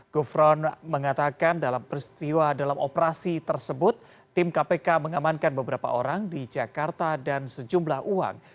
gufron mengatakan dalam peristiwa dalam operasi tersebut tim kpk mengamankan beberapa orang di jakarta dan sejumlah uang